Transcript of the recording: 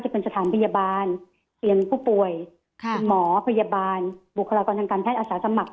พยาบาลเตรียมผู้ป่วยค่ะหมอพยาบาลบุคลากรทางการแพทย์อาสาสมัคร